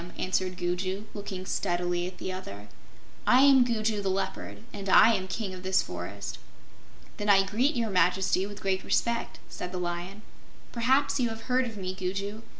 answered Gugu, looking steadily at the other. "I am Gugu the Leopard, and I am King of this forest." "Then I greet Your Majesty with great respect," said the Lion. "Perhaps you have heard of me, Gugu.